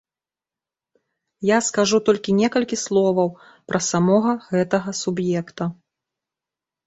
Я скажу толькі некалькі словаў пра самога гэтага суб'екта.